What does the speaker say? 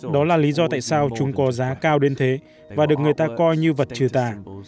đó là lý do tại sao chúng có giá cao đến thế và được người ta coi như vật trừ tà